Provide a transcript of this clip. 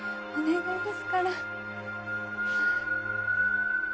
お願いですから。